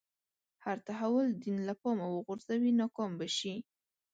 هر تحول دین له پامه وغورځوي ناکام به شي.